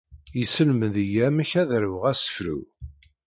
Yesselmed-iyi amek ara aruɣ asefru.